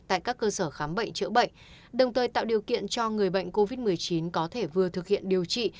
tại các cơ sở khám bệnh chữa bệnh đồng thời tạo điều kiện cho người bệnh covid một mươi chín có thể vừa thực hiện điều trị